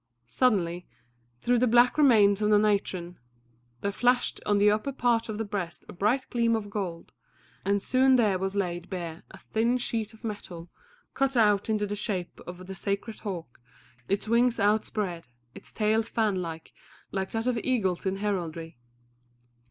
Suddenly, through the black remains of the natron, there flashed on the upper part of the breast a bright gleam of gold, and soon there was laid bare a thin sheet of metal, cut out into the shape of the sacred hawk, its wings outspread, its tail fanlike like that of eagles in heraldry.